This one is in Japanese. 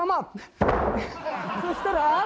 そしたら。